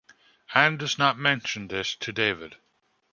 Ann does not mention this to David.